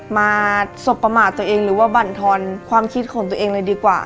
มาสบประมาทตัวเองหรือว่าบรรทอนความคิดของตัวเองเลยดีกว่า